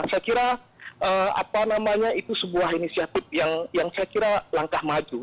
saya kira apa namanya itu sebuah inisiatif yang saya kira langkah maju